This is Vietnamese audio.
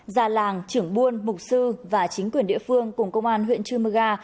già làng trưởng buôn mục sư và chính quyền địa phương cùng công an huyện chư mơ ga